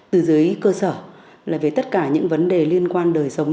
từ dưới cơ sở là về tất cả những vấn đề liên quan đời sống